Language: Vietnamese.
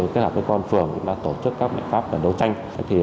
kết hợp với con phường đã tổ chức các bệnh pháp đấu tranh